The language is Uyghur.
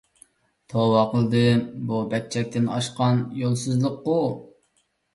توۋا قىلدىم. بۇ بەك چەكتىن ئاشقان يولسىزلىققۇ؟